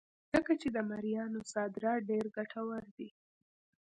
ځکه چې د مریانو صادرات ډېر ګټور وو.